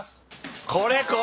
これこれ。